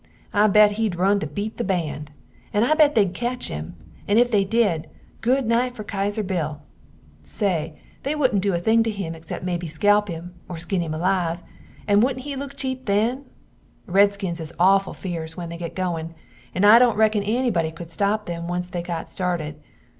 I bet hed run to beat the band, and I bet theyd catch him, and if they did, goodnite fer Kaiser Bill. Say they woodnt do a thing to him exept mebbe scalp him or skin him alive, and woodnt he look chepe then? Red Skins is auful feerce when they get goin, and I dont rekon ennybody cood stop them once they got started.